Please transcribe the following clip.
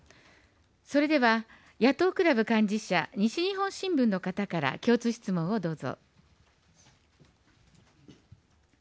それでは野党クラブ幹事社、西日本新聞の方から共通質問をどうぞ。